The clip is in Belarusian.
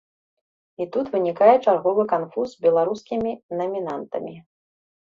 І тут вынікае чарговы канфуз з беларускімі намінантамі.